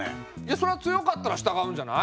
そりゃ強かったら従うんじゃない？